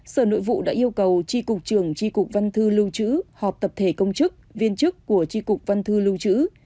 sở nội vụ đã yêu cầu tri cục trường tri cục văn thư lưu trữ họp tập thể công chức viên chức của tri cục văn thư lưu trữ